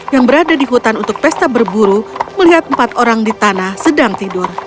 yang berada di hutan untuk pesta berburu melihat empat orang di tanah sedang tidur